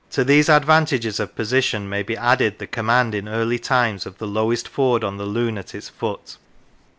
The Rivers these advantages of position may be added the com mand in early times of the lowest ford on the Lune at its foot.